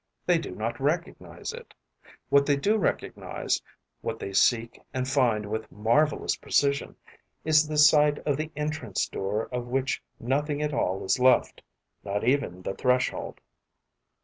They do not recognize it. What they do recognize, what they seek and find with marvellous precision, is the site of the entrance door of which nothing at all is left, not even the threshold.